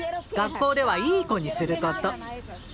学校ではいい子にすること。